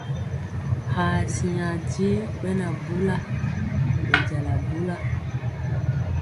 Ha siŋa je ɓɛ na bula, ɓɛ jala bula.